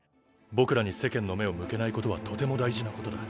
僕らに世間の目を向けないことはとても大事なことだ。